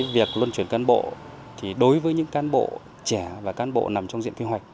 việc luân chuyển cán bộ đối với những cán bộ trẻ và cán bộ nằm trong diện quy hoạch